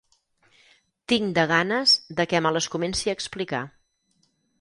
Tinc de ganes de que me les comenci a explicar.